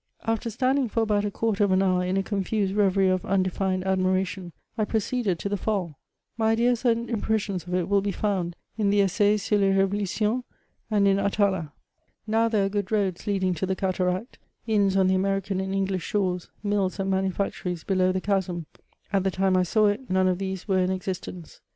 After standing for about a quarter of an hour in a confused ^reverie of undeHned admiration, I proceeded to the Fall. My ideas and impressions of it will be found in the " Essai sur les Revolutions" and in <* Atala." Now, there are good roads lead ing to the cataract, ions on the American and English shores, mills and manufactories below the chasm; at the time I saw it none of these were in existence.